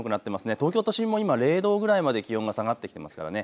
東京都心も今０度ぐらいまで気温が下がってきますからね。